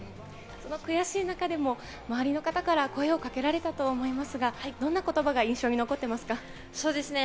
その悔しい中でも周りの方から声をかけられたと思いますが、どんな言葉が印象に残っていますか？